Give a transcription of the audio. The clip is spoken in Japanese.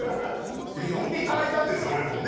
呼んでいただいたんです、俺も。